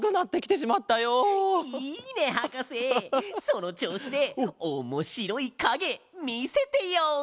そのちょうしでおもしろいかげみせてよ！